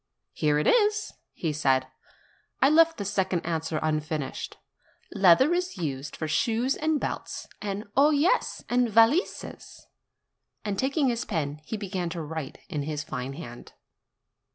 "Here it is," he said; "I left the second answer unfinished: Leather is used for shoes and belts, and oh yes ! and valises." And, taking his pen, he began to write in his fine hand.